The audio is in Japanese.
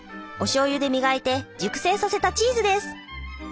おしょうゆで磨いて熟成させたチーズです。